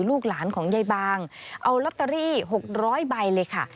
ลูกหลานของยายบางเอาลอตเตอรี่๖๐๐ใบเลยค่ะ